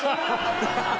「ハハハハ！」